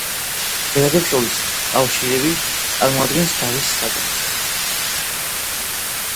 ბელადებს შორის კავშირები წარმოადგენს დავის საგანს.